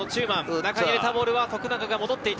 中に入れたボールは徳永が戻っていた。